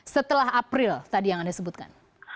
setelah april tadi yang anda sebutkan